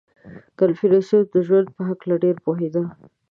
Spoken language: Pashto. • کنفوسیوس د ژوند په هکله ډېر پوهېده.